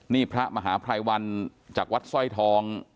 นี่พระมหาภัยวันจากวัดสร้อยทอง